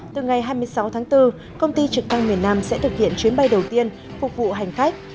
từ ngày hai mươi sáu tháng bốn công ty trực thăng miền nam sẽ thực hiện chuyến bay đầu tiên phục vụ hành khách